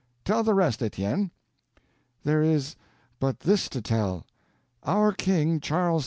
Tell the rest, Etienne." "There is but this to tell: Our King, Charles VI.